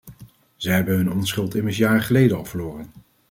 Zij hebben hun onschuld immers jaren geleden al verloren.